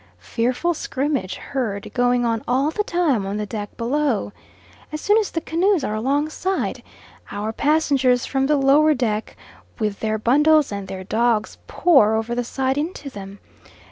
Fearful scrimmage heard going on all the time on the deck below. As soon as the canoes are alongside, our passengers from the lower deck, with their bundles and their dogs, pour over the side into them.